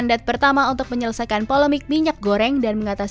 dan menjaga kemampuan kita